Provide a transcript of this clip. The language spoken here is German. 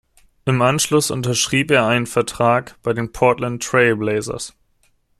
Im Anschluss unterschrieb er einen Vertrag bei den Portland Trail Blazers.